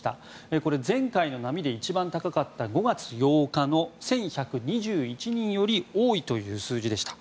これは前回の波で一番高かった５月８日の１１２１人より多いという数字でした。